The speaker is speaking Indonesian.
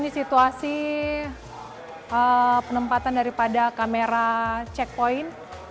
ini situasi penempatan daripada kamera checkpoint